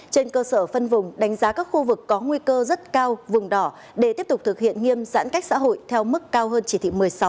trên cơ sở phân vùng đánh giá các khu vực có nguy cơ rất cao vùng đỏ để tiếp tục thực hiện nghiêm giãn cách xã hội theo mức cao hơn chỉ thị một mươi sáu